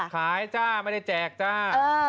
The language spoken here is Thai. จ้าไม่ได้แจกจ้า